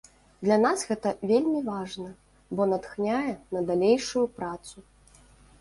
Для нас гэта вельмі важна, бо натхняе на далейшую працу.